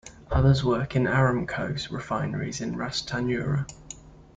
Others work in Aramco refineries in Ras Tanura.